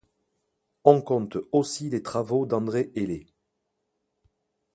On compte aussi les travaux d'André Hellé.